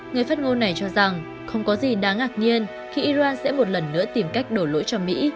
người phát ngôn này cho rằng không có gì đáng ngạc nhiên khi iran sẽ một lần nữa tìm cách đổ lỗi cho mỹ